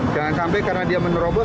jangan sampai karena dia menerobos